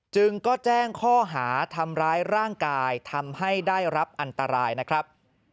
จึงก็แจ้งข้อหาทำร้ายร่างกายทำให้ได้รับอันตรายนะครับ